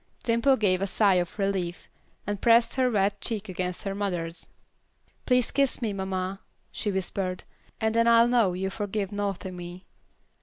Dimple gave a sigh of relief, and pressed her wet cheek against her mother's. "Please kiss me, mamma," she whispered, "and then I'll know you forgive naughty me."